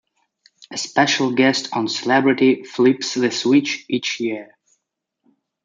A special guest or celebrity "flips the switch" each year.